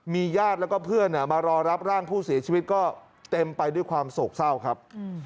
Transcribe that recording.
ญาติแล้วก็เพื่อนมารอรับร่างผู้เสียชีวิตก็เต็มไปด้วยความโศกเศร้าครับ